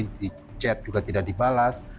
di chat juga tidak dibalas